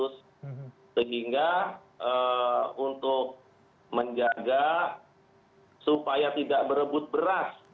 sehingga untuk menjaga supaya tidak berebut beras